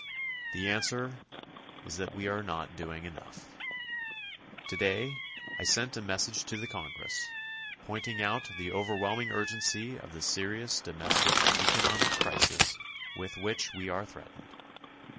The answer is that we are not doing enough. Today I sent a message to the Congress, pointing out the overwhelming urgency of the serious domestic economic crisis with which we are threatened.